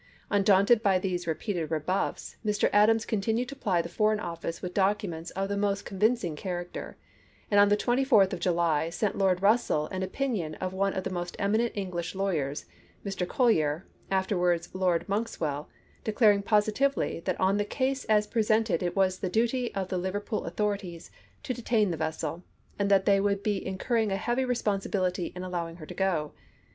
Undaunted by these re peated rebuffs, Mr. Adams continued to ply the Foreign Office with documents of the most con vincing character, and on the 24th of July sent Lord Russell an opinion of one of the most emi nent of English lawyers, Mr. Collier, afterwards Lord Monkswell, declaring positively that on the case as presented it was the duty of the Liverpool authorities to detain the vessel, and that they would be incurring a heavy responsibility in allow ing her to go.